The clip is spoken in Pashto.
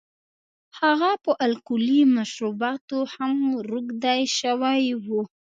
هغه په الکولي مشروباتو هم روږدی شوی و.